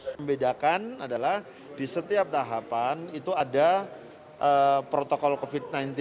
membedakan adalah di setiap tahapan itu ada protokol covid sembilan belas